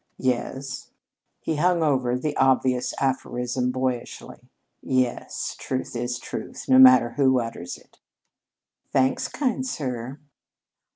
"Yes." He hung over the obvious aphorism boyishly. "Yes, truth is truth, no matter who utters it." "Thanks, kind sir."